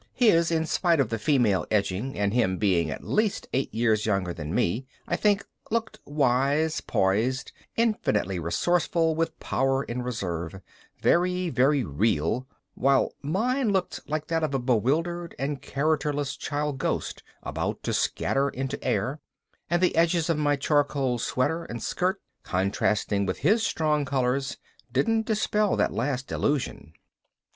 His, in spite of the female edging and him being at least eight years younger than me, I think, looked wise, poised, infinitely resourceful with power in reserve, very very real, while mine looked like that of a bewildered and characterless child ghost about to scatter into air and the edges of my charcoal sweater and skirt, contrasting with his strong colors, didn't dispel that last illusion.